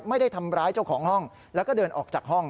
ไม่ได้ทำร้ายเจ้าของห้องแล้วก็เดินออกจากห้อง